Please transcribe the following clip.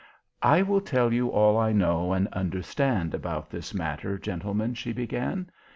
"I will tell you all I know and understand about this matter, gentlemen," she began.